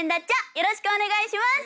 よろしくお願いします。